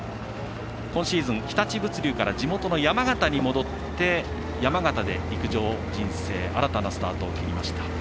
今シーズン、日立物流から地元の山形に戻って山形で、陸上人生新たなスタートを切りました。